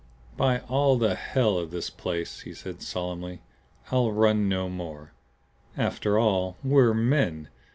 "By all the HELL of this place," he said, solemnly, "I'll run no more. After all we're men.